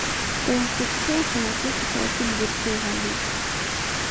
Талантбек Исаев — Канатбек Исаевдин бир тууганы.